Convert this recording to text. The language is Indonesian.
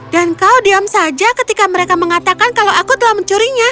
dan kau diam saja ketika mereka mengatakan kalau aku telah mencurinya